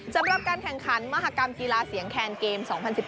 สำหรับการแข่งขันมหากรรมกีฬาเสียงแคนเกม๒๐๑๘